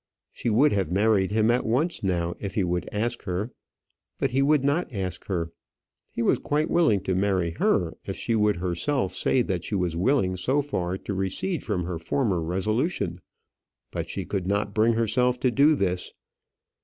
She would have married him at once now if he would ask her. But he would not ask her. He was quite willing to marry her if she would herself say that she was willing so far to recede from her former resolution. But she could not bring herself to do this.